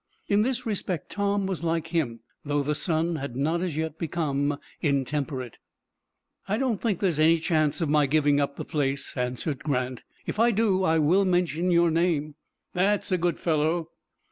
In this respect Tom was like him, though the son had not as yet become intemperate. "I don't think there is any chance of my giving up the place," answered Grant. "If I do, I will mention your name." "That's a good fellow."